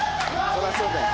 そりゃそうだよ。